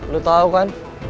lo tau kan